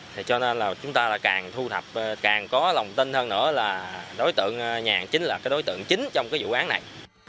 thì cho nên là chúng ta lại càng thu thập càng có lòng tin hơn nữa là đối tượng nhàn chính là cái đối tượng chính trong cái vụ án này